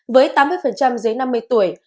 với tám mươi dưới năm mươi tuổi